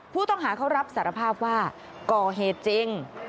ผู้ต้องหาเขารับสารภาพว่าก่อเหตุจริง